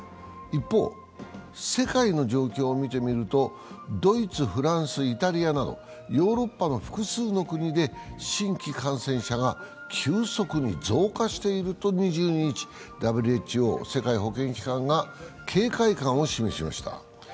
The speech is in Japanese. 一方、世界の状況を見てみると、ドイツ、フランス、イタリアなどヨーロッパの複数の国で、新規感染者が急速に増加しているとＷＨＯ＝世界保健機関が警戒感を示しました。